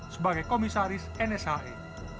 sebagai komisaris nshe